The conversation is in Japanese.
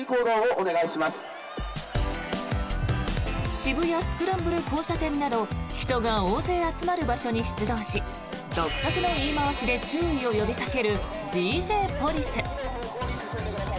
渋谷・スクランブル交差点など人が大勢集まる場所に出動し独特の言い回しで注意を呼びかけるＤＪポリス。